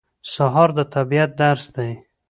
سهار د طبیعت درس دی.